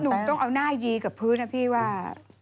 หนูต้องเอาหน้ายีกับพื้นนะพี่ว่า